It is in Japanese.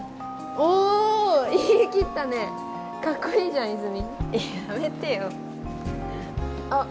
おお言い切ったねカッコいいじゃん泉やめてよあっ